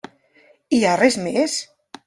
Hi ha res més?